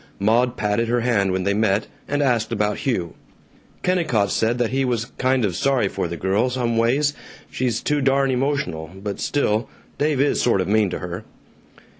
Maud patted her hand when they met, and asked about Hugh. Kennicott said that he was "kind of sorry for the girl, some ways; she's too darn emotional, but still, Dave is sort of mean to her."